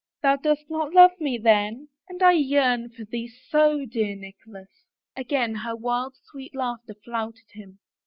" Thou dost not love me, then ? And I yearn for thee so, dear Nicholas !" Again her wild, sweet laughter flouted him.